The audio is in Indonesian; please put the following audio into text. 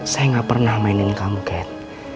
saya gak pernah mainin kamu ken